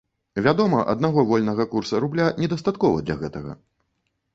Вядома, аднаго вольнага курса рубля недастаткова для гэтага.